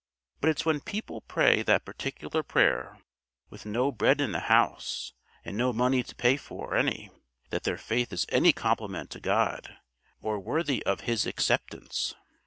But it's when people pray that particular prayer, with no bread in the house and no money to pay for any, that their faith is any compliment to God or worthy of His acceptance."